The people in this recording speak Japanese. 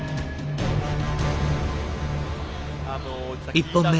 １本目。